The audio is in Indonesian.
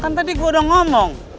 kan tadi gue udah ngomong